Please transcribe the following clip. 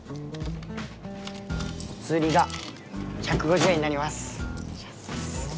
おつりが１５０円になります。